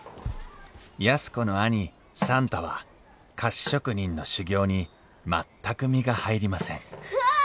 安子の兄算太は菓子職人の修業に全く身が入りませんわあ！